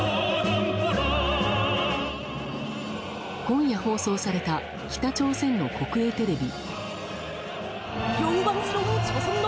今夜放送された北朝鮮の国営テレビ。